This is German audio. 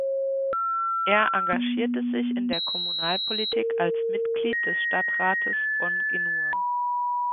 Er engagierte sich in der Kommunalpolitik als Mitglied des Stadtrates von Genua.